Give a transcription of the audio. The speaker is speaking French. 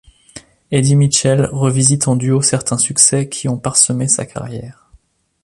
Eddy Mitchell revisite en duo certains succès qui ont parsemé sa carrière.